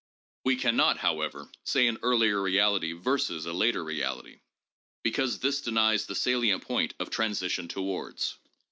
We can not, however, say an earlier reality versus a later reality, because this denies the salient point of transition towards.